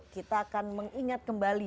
kita akan mengingat kembali